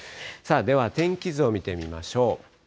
天気図を見てみましょう。